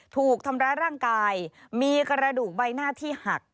ถูกทำร้ายร่างกายมีกระดูกใบหน้าที่หัก